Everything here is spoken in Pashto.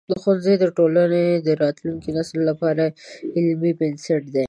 ښوونځی د ټولنې د راتلونکي نسل لپاره علمي بنسټ دی.